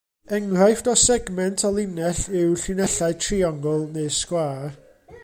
Enghraifft o segment o linell yw llinellau triongl neu sgwâr.